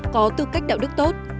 có tư cách đạo đức tốt